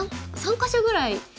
か所ぐらい。